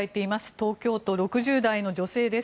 東京都、６０歳の女性です。